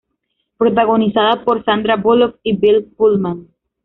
Protagonizada por Sandra Bullock y Bill Pullman.